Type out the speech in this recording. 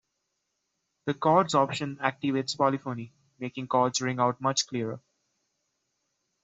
The 'Chords' option activates polyphony, making chords ring out much clearer.